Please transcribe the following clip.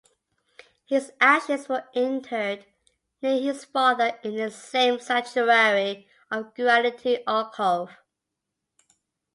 His ashes were interred near his father, in the same Sanctuary of Gratitude alcove.